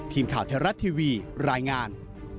ทีมข่าวไทยรัฐทีวีรายงาน